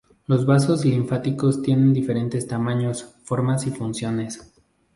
Los vasos linfáticos tienen diferentes tamaños, formas y funciones.